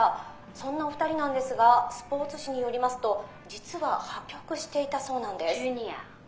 そんなお二人なんですがスポーツ紙によりますと実は破局していたそうなんです。